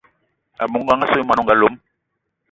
A bou ngang assou y mwani o nga lom.